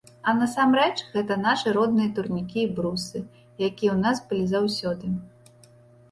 А насамрэч, гэта нашы родныя турнікі і брусы, якія ў нас былі заўсёды.